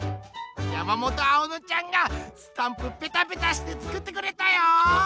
やまもとあおのちゃんがスタンプペタペタしてつくってくれたよ！